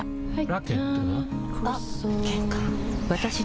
ラケットは？